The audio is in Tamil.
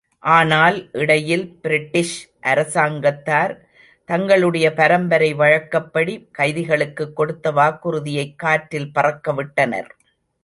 ஆனால் இடையில் பிரிட்டிஷ் அரசாங்கத்தார் தங்களுடைய பரம்பரை வழக்கப்படி கைதிகளுக்குக் கொடுத்த வாக்குறுதியைக் காற்றில் பறக்கவிட்டனர்.